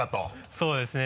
そうですね